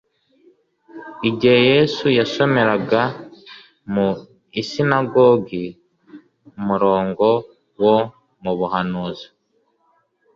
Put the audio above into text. Igihe Yesu yasomeraga mu isinagogi umurongo wo mu buhanuzi,